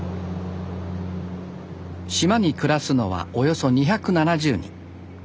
島に暮らすのはおよそ２７０人。